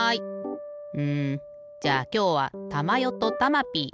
うんじゃあきょうはたまよとたまピー。